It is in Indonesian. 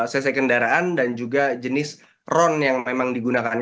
cc kendaraan dan juga jenis ron yang memang digunakan